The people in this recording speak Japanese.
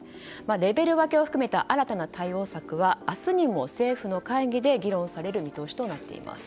レベル分けを含めた新たな対応策は明日にも政府の会議で議論される見通しとなっています。